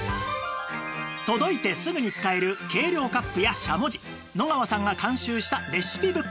届いてすぐに使える計量カップやしゃもじ野川さんが監修したレシピブック